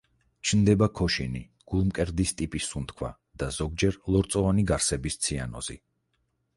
ჩნდება ქოშინი, გულმკერდის ტიპის სუნთქვა და ზოგჯერ ლორწოვანი გარსების ციანოზი.